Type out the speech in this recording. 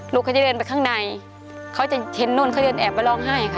เขาจะเดินไปข้างในเขาจะเห็นนู่นเขาเดินแอบไปร้องไห้ค่ะ